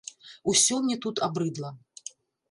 Усё мне тут абрыдла!